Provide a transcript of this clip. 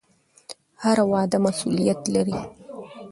هره وعده مسوولیت لري